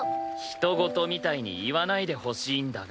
人ごとみたいに言わないでほしいんだが。